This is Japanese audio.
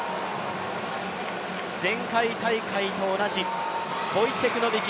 前回大会と同じボイチェク・ノビキ